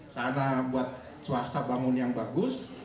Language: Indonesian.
sana buat swasta bangun yang bagus